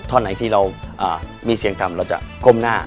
ท่อนไหนที่เรามีเสียงต่ำเราจะก้มหน้า